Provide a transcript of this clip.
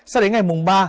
sau đấy ngày mùng ba